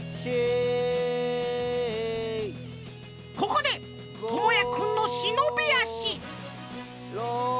ここでともやくんの忍び足６。